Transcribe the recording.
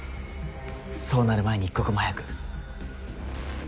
そうなる前に一刻も早く。